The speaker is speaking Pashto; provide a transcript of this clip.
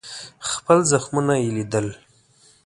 خپل زخمونه یې لیدل.